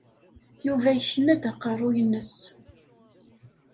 Yuba yekna-d aqerruy-nnes.